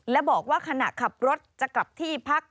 และบอกว่าขณะขับรถจะกลับที่พัก